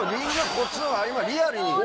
こっちの方がリアルに。